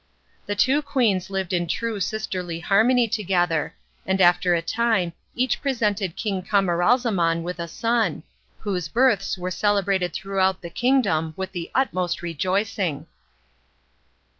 The two queens lived in true sisterly harmony together, and after a time each presented King Camaralzaman with a son, whose births were celebrated throughout the kingdom with the utmost rejoicing.